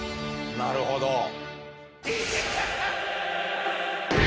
なるほど。